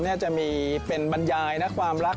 ฝ่าฉลอม